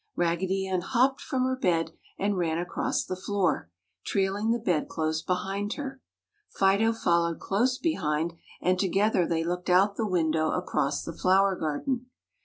Raggedy Ann hopped from her bed and ran across the floor, trailing the bed clothes behind her. Fido followed close behind and together they looked out the window across the flower garden.